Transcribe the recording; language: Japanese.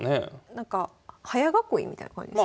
なんか早囲いみたいな感じですか？